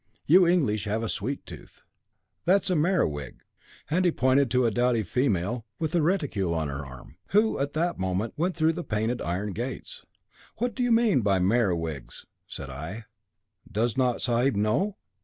You English have a sweet tooth. That's a Merewig,' and he pointed to a dowdy female, with a reticule on her arm, who, at that moment, went through the painted iron gates. 'What do you mean by Merewigs?' said I. 'Does not sahib know?'